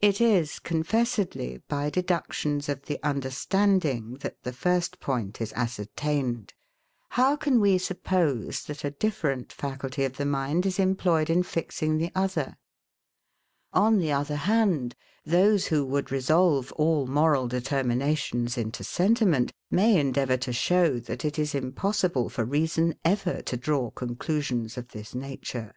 It is confessedly by deductions of the understanding, that the first point is ascertained: how can we suppose that a different faculty of the mind is employed in fixing the other? On the other hand, those who would resolve all moral determinations into sentiment, may endeavour to show, that it is impossible for reason ever to draw conclusions of this nature.